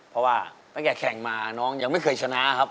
เพราะว่าตั้งแต่แข่งมาน้องยังไม่เคยชนะครับ